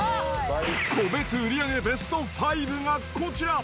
個別売り上げベスト５がこちら。